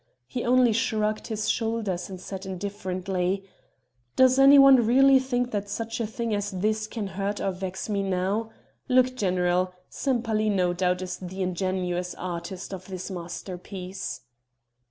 He only shrugged his shoulders and said indifferently: "Does any one really think that such a thing as this can hurt or vex me now? Look, general Sempaly, no doubt, is the ingenious artist of this masterpiece."